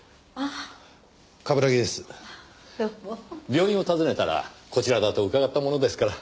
病院を訪ねたらこちらだと伺ったものですから。